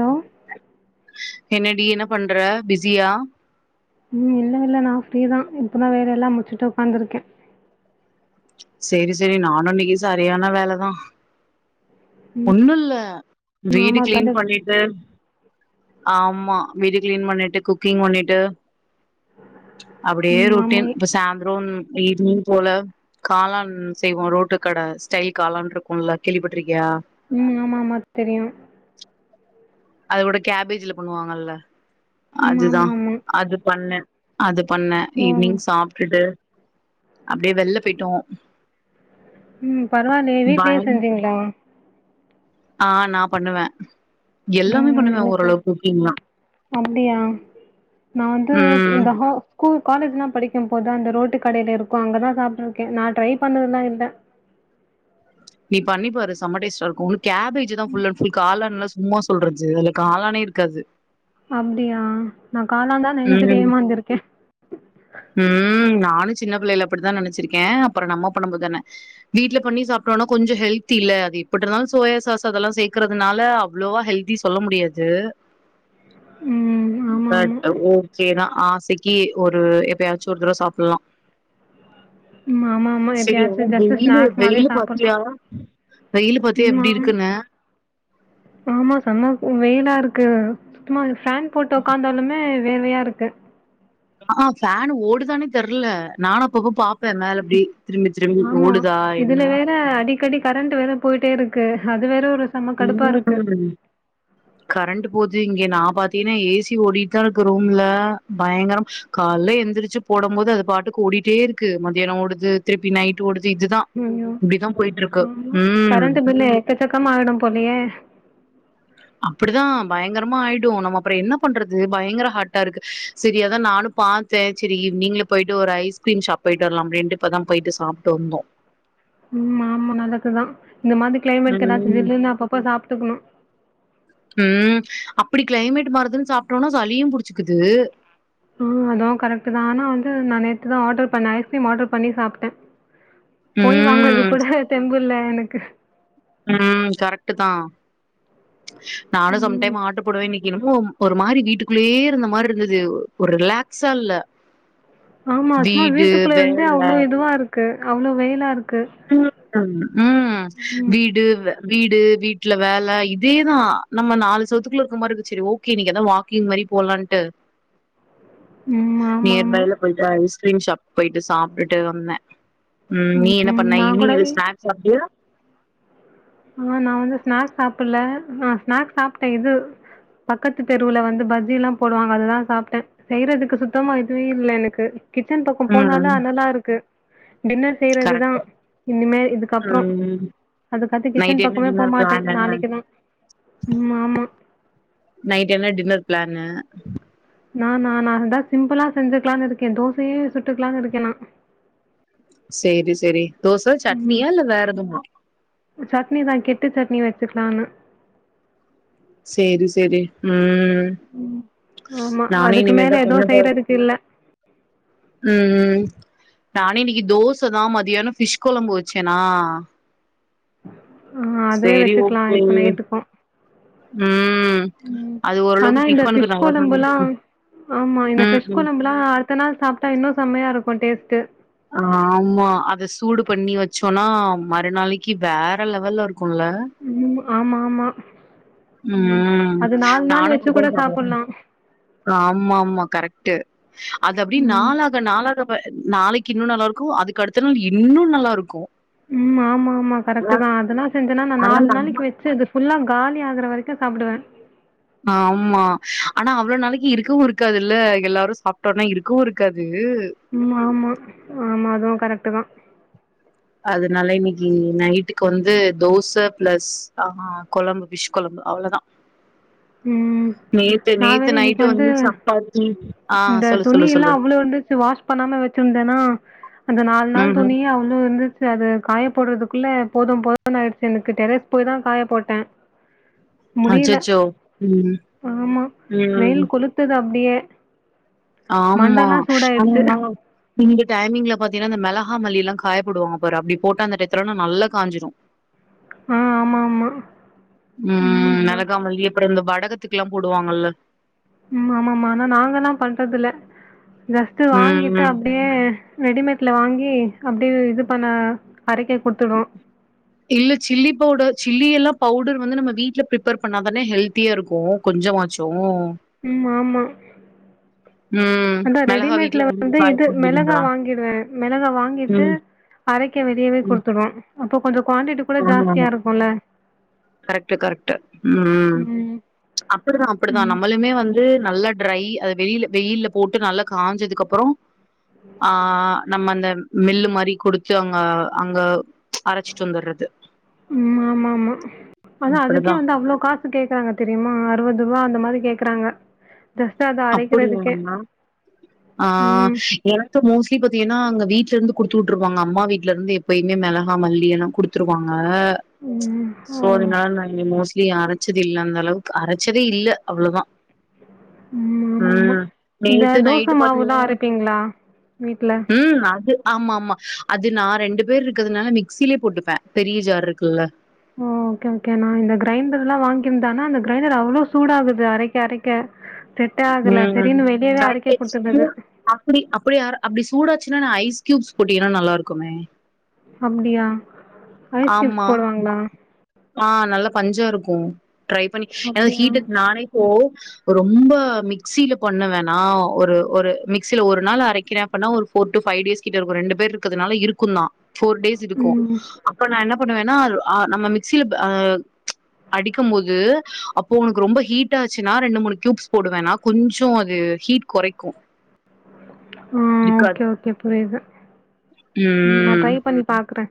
Hello என்னடி என்ன பண்ற பிஸியா ம் இல்ல இல்ல நான் ஃப்ரீதா இப்பதா வேலெல்லா முடிச்சுட்டு உட்காந்துருக்கே சேரி சேரி நானு இன்னிக்கி சரியானா வேலதா ஒண்ணுல்ல ம் வீடு ஆமா க்ளீன் அந்த பண்ணிட்டு ஆமா வீடு க்ளீன் பண்ணிட்டு குக்கிங் பண்ணிட்டு அப்டியே ம் ஆமா ரொட்டின் இப்ப சாய்ந்தரோம் ஈவ்னிங் போல காளான் செய்வோ ரோட்டு கட ஸ்டைல் காளான் இருக்கும்ல கேள்விப்பட்ருக்கியா ம் ஆமா ஆமா தெரியும் அது கூட கேபேஜ்ல பண்ணுவாங்கல்ல ம் அதுதா ஆமா ஆமா அது பண்ண அது பண்ண ஓ ஈவ்னிங் சாப்டுட்டு அப்டியே வெளில போயிட்டோ ம் பரவாயில்லையே வீட்லயே செஞ்சீங்களா ஆஹ் நா பண்ணுவ ம் ம் ஓட்ட அப்டியா நா வந்து ம் இந்த ஸ்கூல் காலேஜ்லா படிக்கும் போது அந்த ரோட்டு கடையில இருக்கு அங்கதா சாப்பிட்டு இருக்கே நா ட்ரை பண்ணதுலா இல்லை பண்ணிப்பாரு செம டேஸ்ட்டா இருக்கு கேபேஜ் தா ஃபுல் அண்ட் ஃபுல் காளான்லா சும்மா சொல்றது அதுல காளானே இருக்காது அப்டியா நா காளாந்தான்னு நெனச்சுட்டு ம் ஏமாந்திருக்கே ம் நானு சின்ன பிள்ளைல அப்டித்தா நினைச்சிருக்கே அப்புறம் நம்ம பண்ணு போதுதானே வீட்டுல பண்ணி சாப்டோனா கொஞ்சோ ஹெல்தி இல்ல அது எப்டி இருந்தாலு சோயாசாஸ் அதெல்லாம் சேர்க்கறதுனால அவ்ளோவா ஹெல்தி சொல்ல முடியாது ம் ஆமாம் பட் ஆமாம் ஓகேதா ஆசைக்கு ஒரு எப்பயாச்சு ஒரு தடவை சாப்படலா ம் ஆமா ஆமா எப்பயாச்சு ஜஸ்ட் வெயிலு ஸ்நாக்ஸ் மாறி வெயிலு சாப்டலா பாத்தியா வெயிலு பாத்தியா எப்டி ம் இருக்குன்னு ஆமா செம வெயிலா இருக் க்கு சுத்தமா ஃபேன் போட்டு உக்காந்தாலுமே வேவையா இருக்கு ஆஹ் ஃபேன் ஓடுதானே தெர்ல நானு அப்பப்ப பாப் இப்ப மேல எப்டி திரும்பி திரும்பி ஆமா ஓடுதா இதுல வேற அடிக்கடி கரண்ட் வேற போயிட்டே இருக்கு அது வேற ஒரு செம கடுப்பா இருக்கு [unintelligible] ம் கரண்ட் போச்சே இங்க நா பாத்தீங்கன்னா ஏசி ஓடிட்டு தா இருக்கு ரூம்ல பயங்கர கால்ல எழுந்திரிச்சு போடு போது அது பாட்டுக்கு ஓடிட்டே இருக்கு மதியானம் ஓடுது திருப்பி நைட் ஓடுது இதுதா இப்டிதா போயிட்டு இருக்கு உம் ம் கரண்ட் பில் எக்கசக்கமா ஆகிடு போலயே அப்டிதான் பயங்கரமா ஆயிடு நம்ம அப்புறோ என்ன பண்றது பயங்கர ஹாட்டா இருக்கு செரி அதா நானும் பாத்தேன் சரி நீங்கள போயிட்டு ஒரு ஐஸ்கிரீம் ஷாப் போயிட்டு வரலாம் அப்டின்ட்டு இப்பதா போயிட்டு சாப்பிட்டு வந்தோ உம் ஆமா நடக்குதா இந்த மாதிரி கிளைமேட்கு ஏதாவது ம் ஜில்லுனு ப் இப்டி கிளைமேட் மாறுதுன்னு சாப்ட்டோனா சளியு புடிச்சிக்குது ஆஹ் அதுவு கரெக்ட் தா ஆனா வந்து நான் நேத்து தான் ஆர்டர் பண்ணே ஐஸ்கிரீம் ஆர்டர் பண்ணி சாப்ட்டே போய் வாங்கறது ம் கூட தெம்புல இல்ல எனக்கு உம் கரெக்ட் தான் நானு ம் சம்டைம் ஆர்டர் போடுவே இன் என்னமோ ஒரு மாரி வீட்டுக்குள்ளயே இருந்த மாதிரி இருந்தது ஒரு ரிலாக்ஸா இல்ல ஆமா சும்மா வீடு வீட்டுக்குள்ள இருந்தே அவ்வளோ இதுவா இருக்கு கு அவளோ வெயிலா இரு [unintelligible] உம் ம். வீடு வே வீடு வீட்டுல வேல இதேதா நம்ம நாலு சுவத்துக்குள்ள இருக்கிற மாரி இருக்கு சரி ஓகே இன்னைக்கு எதா வாக்கிங் மாரி போலான்ட்டு ம். நியர் ஆமாமா. பைல போயிட்டு ஐஸ் கிறீன்ஷாப் போயிட்டு சாப்ட்டுட்டு வந்தே உம் நீ என்ன ம். அப்ப நா நான் இனி் கூட எது ஸ்னாக்ஸ் [unintelligible] ஆஹ் நா வந்து ஸ்நாக்ஸ் சாப்பிடல ஆஹ் ஸ்நாக்ஸ் சாப்ட்டே இது பக்கத்து தெருவுல வந்து பஜ்ஜி எல்லா போடுவாங்க அதுதா சாப்ட்டே செய்யறதுக்கு சுத்தமா இதுவே இல்ல எனக்கு கிச்சன் பக்கம் போனாலே ம் அனலா இருக்கு டின்னர் செய்யறது தா கரெக்ட் இனிமே இதுக்கப்புறம் ம் அதுக் நைட் என்ன டின்னர் பிளானு ம். ஆமா. நைட் என்ன டின்னர் பிளா ப்ளானு நா நா நா இதா சிம்பிளா செஞ்சுக்கலானு இருக்கே தோசையே சுட்டுக்கலான்னு இருக்கே நா சேரி சேரி தோச ம் சட்னியா இல்ல வேற எதுமா சட்னி தா கெட்டு சட்னி வச்சுக்கலானு சேரி சரி உம் உம் ஆமா அதுக்கு மேல எதுவு செய்றதுக்கு இல்ல உம் நானே இன்னைக்கு தோசதா மதியானம் ஃபிஷ் கொழம்பு வச்சேனா ஆஹ் அதுவே சேரி வச்சுக்கலா ஓகே இப்ப நைட்டுக்கு ம் அது ஆனா ஓரளவுக்கு இந்த டிஃபனுக்கு ஃபிஷ் நல்லா தா கொழம்புல்லா இருந்துச்சு ஆமா இந்த ம் ஃபிஷ் ம் கொழம்புல்லா அடுத்த நாள் சாப்ட்டா இன்னு செமையா இருக்கு டேஸ்ட் ட்டு ஆமா அத சூடு பண்ணி வச்சோனா மறுநாளக்கி வேற லெவல்லருக் குல்ல ம் ஆமா ஆமா ம் உம் அது நாலு நாள் நானு வச்சு கூட சாப்புட்லா [unintelligible] ஆமாமா கரெக்ட் ட்டு அது அப்டி ம் நாளாக நாளாக நாளைக்கு இன்னு நல்லாருக்கு அதுக்கு அடுத்த நாள் இன்னு நல்லாருக்கு உம் ஆமா ஆமா கரெக்ட்டுதா அதெல்லா செஞ் நா ஆனா நாலு நம்ம நாளைக்கு வச்சு அது ஃபுல்லா காலியாகற வரைக்கு சாப்டுவே ஆமா ஆனா அவ்ளவு நாளைக்கு இருக்கவு இருக்காதுல்ல எல்லாரு சாப்ட்டோனா இருக்கவு இருக்காது ம்மா ஆமா ஆமா அதுவு கரெக்டு தா அதனால இன்னைக்கு நைட்டுக்கு வந்து தோச பிளஸ் ஆஹ் கொழம்பு ஃபிஸ் கொழம்பு அவ்ளவுதா ம் நா வேற இன்னைக்கு நைட்டு வந்து சப்பாத்தி ஆ இந்த சொல்லு சொல்லு துணியெல்லா சொல்லு. அவ்ளோ இருந்துச்சு வாஷ் பண்ணாம வச்சுருந்தேன்னா அந்த நாலு நாள் ம்ஹ்ம். துணியே அவ்ளோ இருந்துச்சு அது காய போடுறதுக்குள்ள போதும் போதுன்னு ஆயிடுச்சு எனக்கு டெரஸ் போய்தா காய போட்டேன் முடியல அச்சச்சோ ம். ஆமா ம். வெயில் கொளுத்துதா அப்டியே ஆமா மண்டலாம் சூடாயிடுச்சு ஆமா நீங்க டைமிங்ல பாத்தீங்கன்னா அந்த மெளகா மல்லிலாம் காயப்போடுவாங்க பாரு அப்டி போட்டா அந்த டயத்துலலா நல்லா காஞ்சிரும் ஆ ஆமா ஆமா ம் மெளகா மல்லி கூட இந்த வடகத்துக்குலா போடுவாங்கல்ல ம் ஆமா ஆமா ஆனா நாங்கலா பண்றதுல்ல ஜஸ்ட்டு ம் வாங்கிட்டு ம். அப்டியே ரெடிமேட்ல வாங்கி அப்டி இது பண்ண அரைக்க குடுத்துடுவோ இல்ல சில்லி பவுடர் சில்லியெல்லாம் பவுடர் வந்து நம்ம வீட்ல பிரிப்பேர் பண்ணாதான ஹெல்த்தியாருக்கும் கொஞ்சமாச்சும் ம் ஆமா ம் அதா மெளகா வீட்ல ரெடிமேட்ல வந்து காய இது மிளகா போடுவீங்களா வாங்கிடுவேன் மிளகா வாங்கிட்டு ம் அரைக்க வெளியவே ம் குடுத்துடுவோம் அப்போ கொஞ்சோ குவான்டிட்டி கூட ஆமா ஜாஸ்தியா ஆமா இருக்குல்ல கரெக்ட்டு கரெக்ட்டு ம் அப்டிதா அப்டிதா ம் நம்மளுமே வந்து நல்லா ட்ரை அ வெளில வெயில்ல போட்டு நல்லா காஞ்சதுக்கு அப்பறோ ஆ நம்ம அந்த மில்லு மாரி குடுத்து அங்க அங்க அரச்சிட்டு வந்துரது ம் ஆமாமா ஆனா அதுக்கே இப்டிதா வந்து அவ்ளோ காசு கேக்குறாங்க தெரியுமா அறுவது ரூவா அந்த மாரி கேக் க்றாங்க அப்டியாம்மா ஆ ம் எனக்கு மோஸ் லி பாத்தீங்கனா அங்க வீட்ல இருந்து குடுத்து உட்ருவாங்க அம்மா வீட்ல இருந்து எப்பயுமே மெளகா மல்லி எல்லா குடுத்துருவாங்க ஆ ம் ஓ சோரினா இங்க மோஸ் லி அரைச்சதில்ல அந்த அளவுக்கு அரைச்சதே இல்ல அவ்ளோதா ம் ஆமா ஆமா ம் இந்த நேத்து தோச நைட்டு் பண்ண மாவுல்லா அரைப்பீங்களா வீட்ல ம் அது ஆமா ஆமா அது நா ரெண்டு பேர் இருக்கறதுனால மிக்சிலே போட்டுப்ப பெரிய ஜார் இருக்குல்ல ஓ ஓகே ஓகே நா இந்த கிரைண்டர்லா வாங்கிருந்தனா அந்த கிரைண்டர் அவ்ளோ சூடாகுது அரைக்க அரைக்க செட்டே ஆகல ம் சரின்னு வெளியவே ம். அரைக்க கரெக்ட்டு குடுத்துட்டது ஆ அப்டி அப்டி அர அப்டி சூடா சினா ஐஸ் க்யூப்ஸ் போட்டீங்கனா நல்லாருக்குமே அப்டியா ஐஸ் க்யூப்ஸ் ஆமா போடுவாங்ளா ஆ நல்லா பஞ்சா இருக்கு ட்ரை பண்ணி ஏனா அப்டியா ஹீட்டுக்கு நானே இப்போ ரொம்ப மிக்ஸீல பண்ணுவனா ஒரு ஒரு மிக்சில ஒரு நாள் அரைக்கிற அப்பனா ஒரு ஃபோர் டு ஃபைவ் டேஸ் கிட்ட இருக்கு ரெண்டு பேர் இருக்கதுனால இருக்குந்தா ஃபோர் டேஸ் இருக்கு ம் என்ன பண்ணுவா ஆ நம்ம மிக்சியில அ அடிக்கும் போது அப்போ உனக்கு ரொம்ப ஹீட் ஆச்சுன்னா ரெண்டு மூணு க்யூப்ஸ் போடுவேனா கொஞ்சோ அது ஹீட் கொறைக்கு ஆ இருக்காது ஓகே ஓகே புரியுது ம் நா ட்ரை பண்ணி பாக்குறே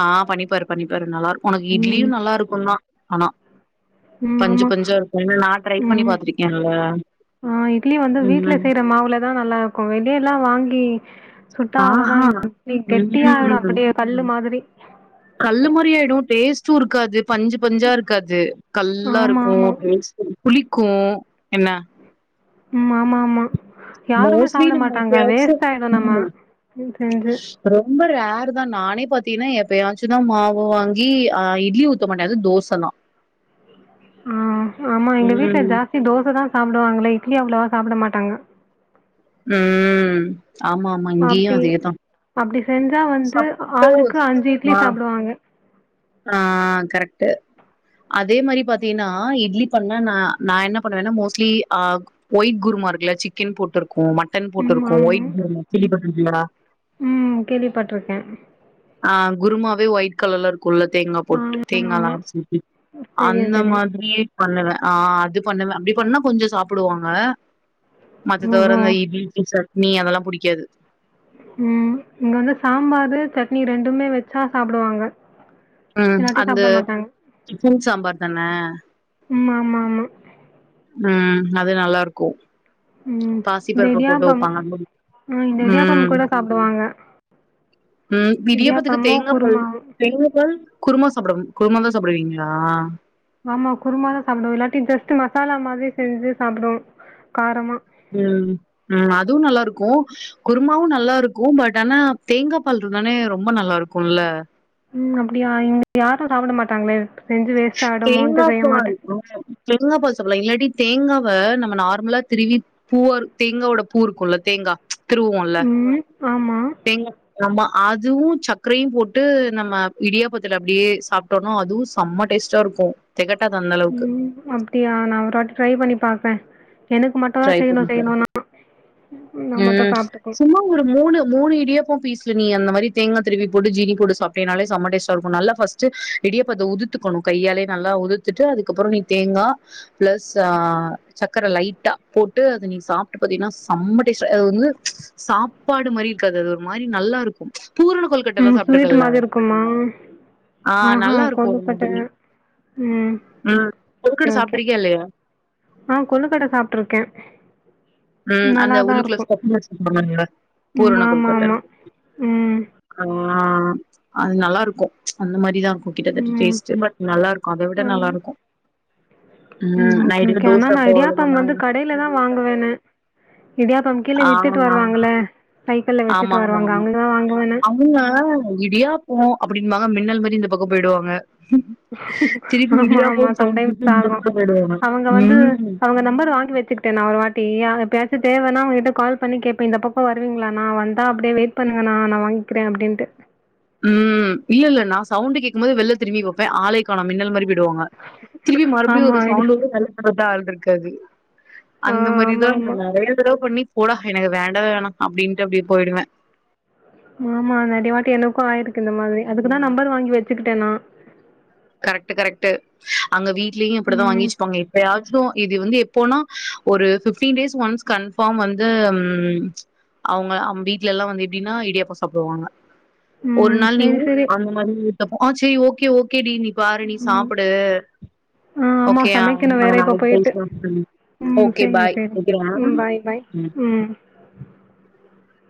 ஆ பண்ணிப்பாரு பண்ணிப்பாரு நல்லாருக் ஒனக்கு இட்லியு ம் நல்லா இருக்குந்தா ஆனா ம் பஞ்சு ஆமா பஞ்சா இருக்கு ஏன்னா நா ட்ரை பண்ணி ம் பாத்திருக்கேன்ல ஆ இட்லி வந்து வீட்ல ம் செய்ற மாவுலதா நல்லா இருக்கு வெளியெல்லா வாங்கி சுட்டா அவ்ளோதா ஆஹா இட்லி கெட்டியாயிடு ம் அப்டியே கல்லு ம். மாதிரி கல்லு மாறியாயிடு டேஸ்ட் டு இருக்காது பஞ்சு பஞ்சா இருக்காது கல்லா ஆமா இருக்கு ஆமா [inaudible] புளி க்கு என்ன ம் ஆமா ஆமா யாருமே மோஸ்லி சாப்பிட நம்ம மாட்டாங்க எப்பயாச்சு வேஸ்ட் ஆயிடும் ம் நம்ம மா செஞ்சு ரொம்ப ரே ருதா நானே பாத்தீனா எப்பயாச்சு தா மாவு வாங்கி ஆ இட்லி ஊத்த மாட்ட அது தோசதா ஆ ஆமா எங்க வீட்ல ஜாஸ்தி தோச தா சாப்டுவாங்களே இட்லி அவ்ளவா சாப்ட மாட்டாங்க உம் அப்படி அப்படி செஞ்சா வந்து ஆளுக்கு சப்போஸ் அஞ்சு இட்லி சாப்பிடுவாங்க ஆஹ் கரெக்ட்டு அதே மாரி பாத்தீன்னா இட்லி பண்ணா நா நா என்ன பண்ணுவேன்னா மோஸ்ட்லி ஆஹ் ஒயிட் குருமா இருக்குல்ல சிக்கன் போட்ரு க்கு மட்டன் ம் போட்டுருக்கு ஒயிட் [inaudible] சில்லி பன் [unintelligible] உம் கேள்விப்பட்டிருக்கே ஆஹ் குருமாவ ஒயிட் கலர்ல இருக் குல்ல தேங்கா ஆ போட்டு ஆமா தேங்கால்லா ஆமா அரச்சு ஊத்தி தெரியும் அந்த தெரியும் மாதிரி பண்ணுவே ஆஹ் அது பண்ணுவே அப்படி பண்ணா கொஞ்ச சாப்பிடுவாங்க மத்தத வர ஓஹோ அந்த இட்லி [unintelligible] னி அதெல்லா புடிக்காது உம் இங்க வந்து சாம்பாரு சட்னி ரெண்டுமே வச்சா சாப்பிடுவாங்க உம் இல்லாட்டி அந்த சாப்பிட மாட்டாங்க சிக்கன் சாம்பார் தன ம்மாமாமா ம் அது நல்லாருக்கூ உம் இந்த இடியாப்பம் ம் இந்த இடியாப்பம் கூட சாப்டுவாங்க உம் இந்திடியாப்பத்துக்கு இடியாப்பமு தேங்கா பால் குருமாவு தேங்கா பால் குருமா சாப்டம் குருமா தா சாப்புடுவிங்ளா ஆமா குருமாதா சாப்டுவ இல்லாட்டி ஜஸ்ட் மசாலா மாதிரி செஞ்சு சாப்டுவோ காரமா ம் ம் அதுவு நல்லாருக்கூ குருமாவு நல்லாருக்கு பட் ஆனா தேங்காய் பால் இருந்தானே ரொம்ப நல்லாருக்குல்ல ம் அப்டியா இங்க யாரு சாப்ட மாட்டாங்களே செஞ்சு வேஸ்ட் தேங்கா ஆயிடுமோன்ட்டு செய்ய பால் மாட்டே தேங்கா பால் சாப்பலா இல்லாட்டி தேங்காவ நம்ம நார்மலா திருவி பூவ தேங்காவோட பூ இருக்குல்ல தேங்கா திருவுவோல்ல ம் ஆமா தேங்கா அமா அதுவு சக்கரையும் போட்டு நம்ம இடியாப்பத்துல அப்டியே சாப்ட்டோன்னா அதுவு செம்ம டேஸ்ட்டாருக்கு உம் அப்டியா நா ஒரு வாட்டி ட்ரை பண்ணி பாக்றே எனக்கு மட்டுந்தா ட்ரை பண்ணி செய்யணு பா செய்யணுனா நா மட்டு உம் சாப்ட்டுக்குவ சும்மா ஒரு மூணு மூணு இடியா ப்போ பீஸ்ல நீ அந்த மாரி தேங்கா திருவி போட்டு ஜீனி கூட சாப்டீன்னாலே செம்ம டேஸ்டாருக்கு நல்லா ஃபஸ்ட்டு இடியாப்பத்த உதுத்துக்கணு கையாலயே நல்லா உதுத்துட்டு அதுக்கப்புறோ நீ தேங்கா ப்ளஸ் ஆ சக்கர லைட்டா போட்டு அத நீ சாப்ட்டு பாத்தீனா செம்ம டேஸ்ட் அது வந்து சாப்பாடு மாரி இருக்காது அது ஒரு மாரி நல்லாருக்கும் ம் ஸ்வீட் மாரி இருக்குமா ஆ ஆஹா நல்லா இருக்கு ஒரு கொழ்ழுக்கட்டே மாதிரி ம் ம் ஓகே கொழுக்கட்ட ஓகே சாப்ட்ருக்கியா இல்லையா ஆஹ் கொழ்ழுக்கட்ட சாப்ட்டுருக்கே ம் அந்த உள்ளுக்குள்ள [unintelligible] ம் பூரண ஆமா கொழ்கட்ட ஆமா ம் ம் அ அது நல்லாருக்கு அந்த மாரிதா கு கிட்ட தட்ட ம் டேஸ்ட்டு பட் நல்லாருக்கு அத விட ஆமா நல்லாருக்கு ம் உம் ஓகே நைட்டுக்கு ஓகே தோச போடணு நானு னு இடியாப்பம் கீழ வித்துட்டு வருவாங்கள்ல ஆமா ஆமா ஆமா அவுங்க இடியாப்போ அப்டின்பாங்க மின்னல் மாரி இந்த பக்கோ போய்டுவாங்க ஆமா ஆமா சவுண்ட் சம்டைம்ஸ் கேட்டு இந்த ஆகு பக்கோ போயிடுவாங்க அவுங்க வந்து ம் அவுங்க நம்பர் வாங்கி வெச்சுக்ட்டே நா ஒரு வாட்டி ஆ எப் ப்பயாச்சு தேவன்னா அவுங்ககிட்ட கால் பண்ணி கேப்பே இந்த பக்கோ வருவீங்ளாணா வந்தா அப்டியே வெய்ட் பண்ணுங்கணா நா வாய்ங்கிறே அப்டின்ட்டு உம் இல்ல இல்ல நா சவுண்டு கேக்கமோதே வெள்ல திரும்பி பாப்பே ஆளே காணோ மின்னல் மாரி பே டுவாங்க திருபி மறுப்டியு ஆமா ஒரு ஐடி சவுண்டு வரு [unintelligible] ட்ருக்காது ஆ அந்த மாரிதா ஆமா நா ஆமா நெறையா தடவ பண்ணி போடா எனகு வேண்டவே வேணா அப்டின்ட்டு அப்டே போய்டுவே ஆமா நெறயவாட்டி எனக்கு ஆய்ருக்கு இந்த மாரி அதுக்குதா நம்பர் வாங்கி வெச்சுக்கிட்டே நா கரெக்ட்டு கரெக்ட்டு அங்க வீ ட்லியு அப்புடிதா ம் வாங்கிவச்பாங்க எப்பயாவ ச்சு இது வந்து எப்போனா ஒரு ஃபிப்டீன் டேஸ் ஒன்ஸ் கன்ஃபாம் வந்து ம் அவுங்க அவ் வீட்லெல்லா வந்து எப்டினா இடியாப்போ சாப்டுவாங்க ஒரு ம் நாள் சரி நீவு சரி அந்த மாதிரி [unintelligible] ஓகே ஓ சேரி நீ பாரு நீ ம் சாப்புடு ஆ ஆமா ஓகேயா சமைக்கணு வேற இப்ப நானு போயிட்டு [unintelligible] ம் ஓகே சரி பாய் சரி வக்கிறே ம் பாய் பாய் ம்